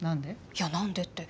いや何でって。